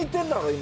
今。